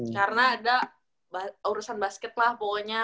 karena ada urusan basket lah pokoknya